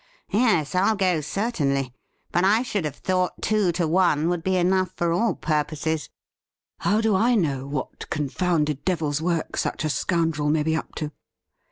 Yes, I'll go, certainly. But I should have thought two to one would be enough for all pvuposes.' ' How do I know what confounded devil's work such a scoundrel may be up to